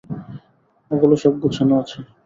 ওগুলো সব গুছানো আছে?